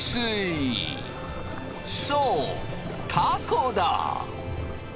そうたこだ。